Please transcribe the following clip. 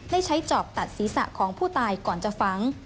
ได้ใช้จอบตัดศีรษะของผู้ตายก่อนจะฝัง